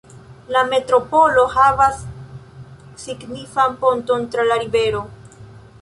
La metropolo havas signifan ponton tra la rivero.